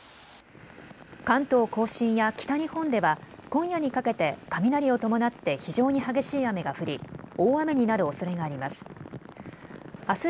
関東甲信や北日本では今夜にかけて雷を伴って非常に激しい雨が降り大雨になるおそれがあります。